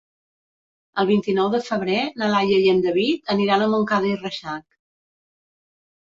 El vint-i-nou de febrer na Laia i en David aniran a Montcada i Reixac.